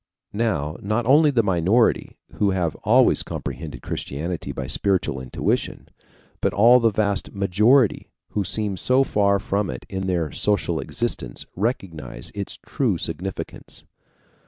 Now not only the minority, who have always comprehended Christianity by spiritual intuition, but all the vast majority who seem so far from it in their social existence recognize its true significance.